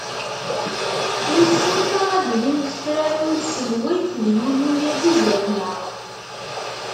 Wissen ma ad ilint tefranin n tselweyt di yulyu-agi zdat-neɣ.